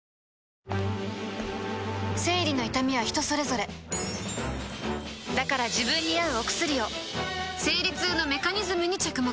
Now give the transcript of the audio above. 生理の痛みは人それぞれだから自分に合うお薬を生理痛のメカニズムに着目